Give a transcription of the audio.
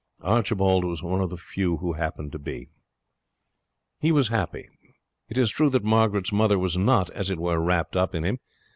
Archibald was one of the few who happened to be. He was happy. It is true that Margaret's mother was not, as it were, wrapped up in him.